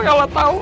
ya allah tahu